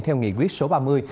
theo nghị quyết số ba mươi